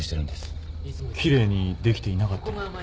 奇麗にできていなかったら？